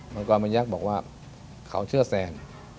มังกรมยักษ์บอกว่าเขาเชื่อแซน